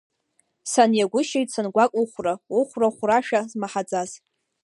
Саниагәышьеит сангәаҟ ухәра, ухәра Хәрашәа змаҳаӡаз.